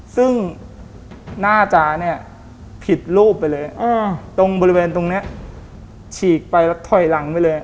ซึ่งน่าจะเนี่ยผิดรูปไปเลยตรงบริเวณตรงนี้ฉีกไปแล้วถอยหลังไปเลย